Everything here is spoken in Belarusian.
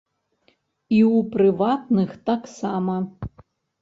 І ў прыватных таксама.